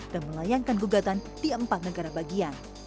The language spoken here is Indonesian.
dan melayangkan gugatan di empat negara bagian